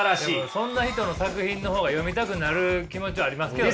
そんな人の作品の方が読みたくなる気持ちありますけどね。